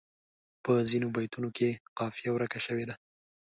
په ځینو بیتونو کې قافیه ورکه شوې ده.